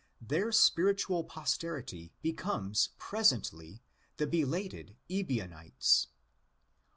Their spiritual posterity become pre sently the belated Ebionites.